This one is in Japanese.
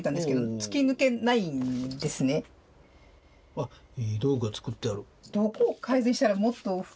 あっいい道具が作ってある。